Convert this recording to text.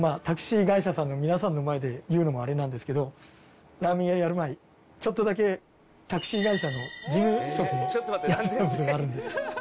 タクシー会社さんの皆さんの前で言うのもあれなんですけどラーメン屋やる前ちょっとだけタクシー会社の事務職をやってた事があるんで。